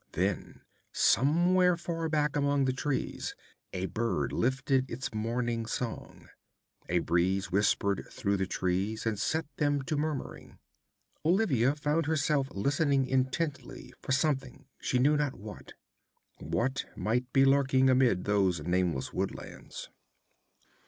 Then somewhere, far back among the trees, a bird lifted its morning song. A breeze whispered through the leaves, and set them to murmuring. Olivia found herself listening intently for something, she knew not what. What might be lurking amid those nameless woodlands?